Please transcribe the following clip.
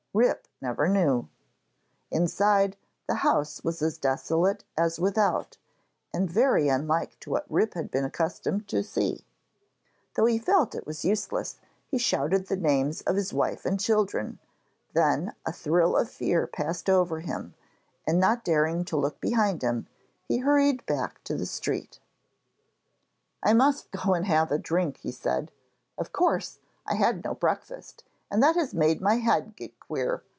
Rip never knew. Inside, the house was as desolate as without, and very unlike to what Rip had been accustomed to see it. Though he felt it was useless, he shouted the names of his wife and children; then a thrill of fear passed over him, and not daring to look behind him, he hurried back to the street. 'I must go and have a drink,' he said. 'Of course, I had no breakfast and that has made my head get queer.